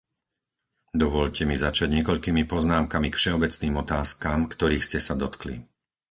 Dovoľte mi začať niekoľkými poznámkami k všeobecným otázkam, ktorých ste sa dotkli.